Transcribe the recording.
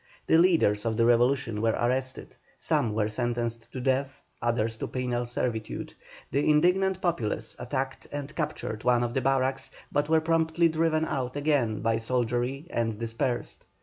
The leaders of the revolution were arrested, some were sentenced to death, others to penal servitude. The indignant populace attacked and captured one of the barracks, but were promptly driven out again by the soldiery and dispersed.